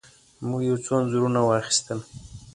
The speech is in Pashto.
موږ یو څو انځورونه واخیستل.